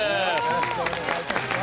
よろしくお願いします。